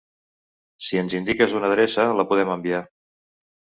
Si ens indiques una adreça la podem enviar.